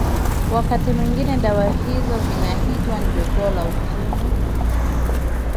wakati mwingine dawa hizo zinaitwa jogoo la ukimwi